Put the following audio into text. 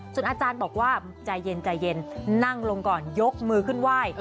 ส่วนอาจารย์บอกว่าใจเย็นใจเย็นนั่งลงก่อนยกมือขึ้นไหว้